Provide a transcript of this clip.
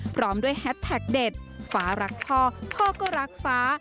พร้อมด้วยแฮสแท็กเด็ดฟ้ารักพ่อพ่อก็รักฟ้า